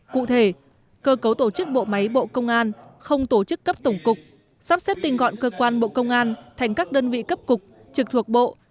cụ thể cơ cấu tổ chức bộ máy bộ công an không tổ chức cấp tổng cục sắp xếp tinh gọn cơ quan bộ công an thành các đơn vị cấp cục trực thuộc bộ